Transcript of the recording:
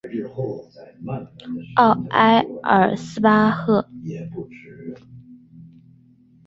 奥埃尔斯巴赫是奥地利施蒂利亚州费尔德巴赫县的一个市镇。